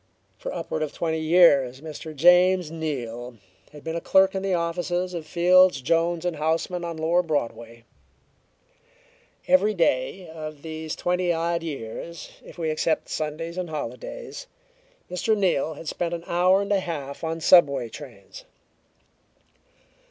For upward of twenty years Mr. James Neal had been a clerk in the offices of Fields, Jones & Houseman on Lower Broadway. Every day of these twenty odd years, if we except Sundays and holidays, Mr. Neal had spent an hour and a half on subway trains.